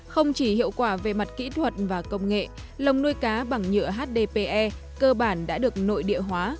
không chỉ hiệu quả về mặt kỹ thuật và công nghệ lồng nuôi cá bằng nhựa hdpe cơ bản đã được nội địa hóa